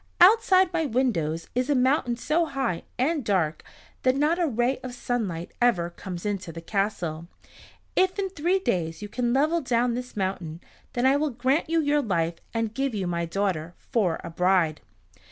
Outside my windows is a mountain so high and dark that not a ray of sunlight ever comes into the castle. If in three days you can level down this mountain, then I will grant you your life, and give you my daughter for a bride."